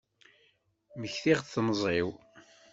Mmektiɣ-d temẓi-w.